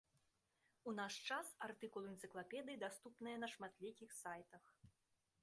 У наш час артыкулы энцыклапедыі даступныя на шматлікіх сайтах.